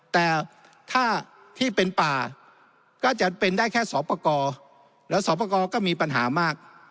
แต่ถ้าที่เป็นป่าก็จะเป็นได้แค่สอบประกอบแล้วสอบประกอบก็มีปัญหามาก